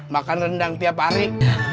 makan rendang tiap hari